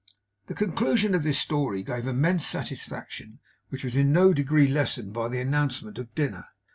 The conclusion of this story gave immense satisfaction, which was in no degree lessened by the announcement of dinner.